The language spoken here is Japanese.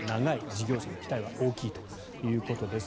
事業者の期待は大きいということです。